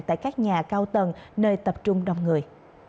tại các nhà cao tầng nơi tập trung đông người